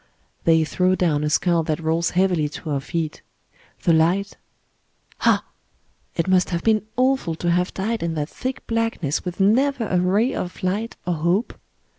They throw down a skull that rolls heavily to our feet. The light Ah ! It must have been awful to have died in that thick blackness with never a ray of light or hope.